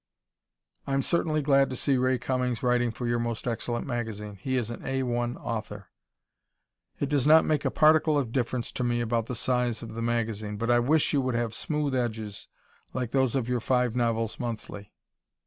I certainly am glad to see Ray Cummings writing for your most excellent magazine. He is an A 1 author. It does not make a particle of difference to me about the size of the magazine, but I wish you would have smooth edges like those of your Five Novels Monthly.